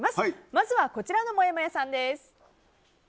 まずは、こちらのもやもやさん。